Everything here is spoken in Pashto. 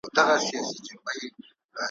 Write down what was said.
موږ شهپر دی غلیمانو ته سپارلی `